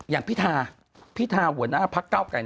อย่างพี่ทาพี่ทาหัวหน้าพระเก้าไกร